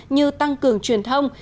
như tăng cường truyền thông